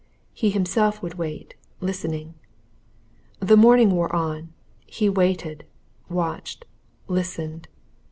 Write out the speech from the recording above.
He himself would wait listening. The morning wore on he waited, watched, listened.